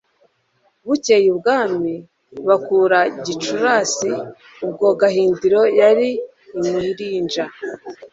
Bukeye ibwami bakura Gicurasi. Ubwo Gahindiro yari i Mulinja